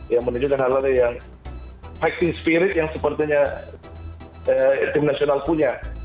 yang menunjukkan hal hal yang fighting spirit yang sepertinya tim nasional punya